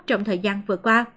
trong thời gian vừa qua